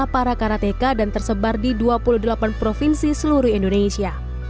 para karateka dan tersebar di dua puluh delapan provinsi seluruh indonesia